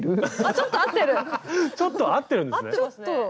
ちょっと合ってるんですね。